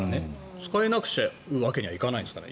使えなくしちゃうわけにはいかないんですかね。